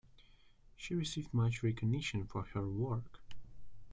She received much recognition for her work.